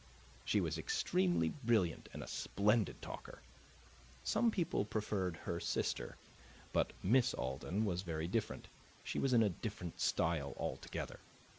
She was extremely brilliant and a splendid talker. Some people preferred her sister; but Miss Alden was very different; she was in a different style altogether.